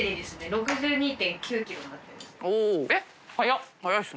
６２．９ｋｇになってます。ます